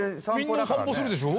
みんな散歩するでしょ。